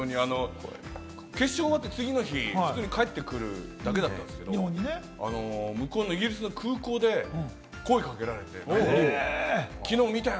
決勝が終わった次の日、帰ってくるだけだったんですけれども、向こうのイギリスの空港で声かけられて、きのう見たよ！